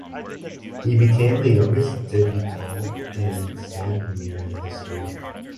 He became the youngest debutant in St Mirren history.